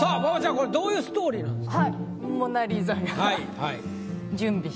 これどういうストーリーなんですか？